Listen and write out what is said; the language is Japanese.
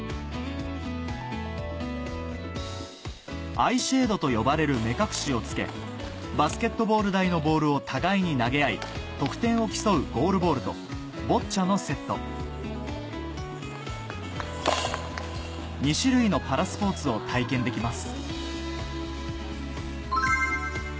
アイシェードと呼ばれる目隠しを着けバスケットボール大のボールを互いに投げ合い得点を競うゴールボールとボッチャのセット２種類のパラスポーツを体験できます